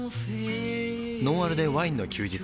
「ノンアルでワインの休日」